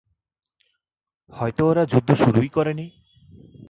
হয়তো ওরা যুদ্ধ শুরুই করেনি।